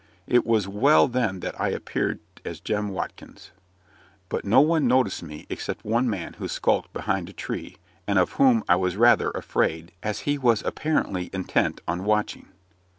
It was well then that I appeared as Jem Watkins. But no one noticed me, except one man, who skulked behind a tree, and of whom I was rather afraid, as he was apparently intent on watching.